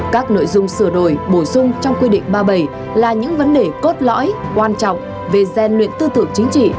các nội dung sửa đổi bổ sung trong quy định ba mươi bảy là những vấn đề cốt lõi quan trọng về gian luyện tư tưởng chính trị